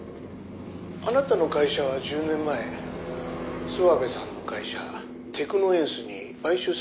「あなたの会社は１０年前諏訪部さんの会社テクノエンスに買収されたそうですね」